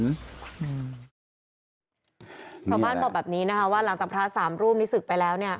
ชาวบ้านบอกแบบนี้นะคะว่าหลังจากพระสามรูปนี้ศึกไปแล้วเนี่ย